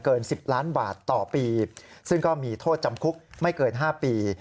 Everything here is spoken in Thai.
๑๐ล้านบาทต่อปีซึ่งก็มีโทษจำคุกไม่เกิน๕ปี